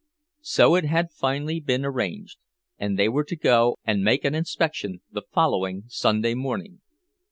So it had finally been arranged—and they were to go and make an inspection the following Sunday morning.